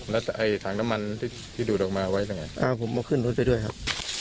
แล้วไอ้ถังน้ำมันที่ดูดออกมาไว้ยังไงอ่าผมเอาขึ้นรถไปด้วยครับ